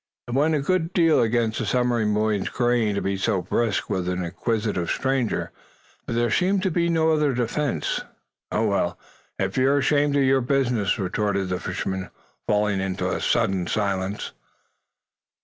It went a good deal against the submarine boy's grain to be so brusque with an inquisitive stranger, but there seemed to be no other defense. "Oh, well, if you're ashamed of your business " retorted the fisherman, falling into a sullen silence.